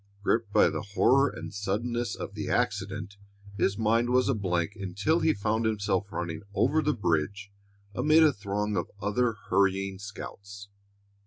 Gripped by the horror and suddenness of the accident, his mind was a blank until he found himself running over the bridge amid a throng of other hurrying scouts.